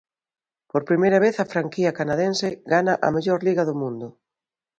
Por vez primeira a franquía canadense gana a mellor Liga do mundo.